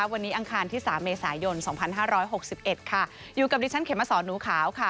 วันนี้อังคารที่สามเมษายนสองพันห้าร้อยหกสิบเอ็ดค่ะอยู่กับดิฉันเขมสอนหนูขาวค่ะ